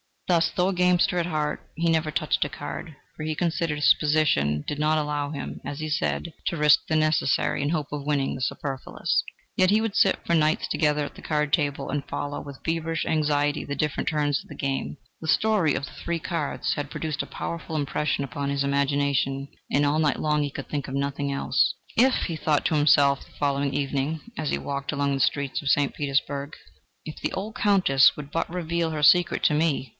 Thus, though a gamester at heart, he never touched a card, for he considered his position did not allow him as he said "to risk the necessary in the hope of winning the superfluous," yet he would sit for nights together at the card table and follow with feverish anxiety the different turns of the game. The story of the three cards had produced a powerful impression upon his imagination, and all night long he could think of nothing else. "If," he thought to himself the following evening, as he walked along the streets of St. Petersburg, "if the old Countess would but reveal her secret to me!